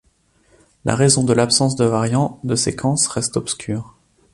La raison de l'absence de variants de séquence reste obscure.